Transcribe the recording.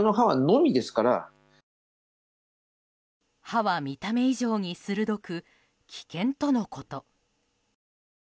歯は見た目以上に鋭く危険とのこと。